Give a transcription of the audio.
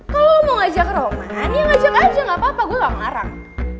kalo lo mau ngajak roman ya ngajak aja gapapa gue gak mau narang